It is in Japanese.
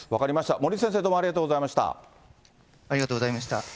森内先生、どうもありがとうござありがとうございました。